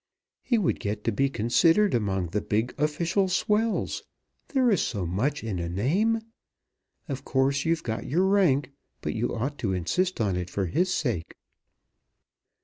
He would get to be considered among the big official swells. There is so much in a name! Of course, you've got your rank. But you ought to insist on it for his sake."